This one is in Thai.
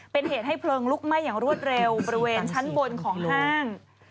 เป็นเหตุให้เพลิงลุกไหม้อย่างรวดเร็วบริเวณชั้นบนของห้าง